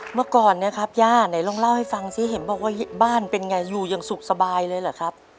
เมื่อก่อนเนี่ยครับย่าไหนลองเล่าให้ฟังสิเห็นบอกว่าบ้านเป็นไงอยู่อย่างสุขสบายเลยเหรอครับ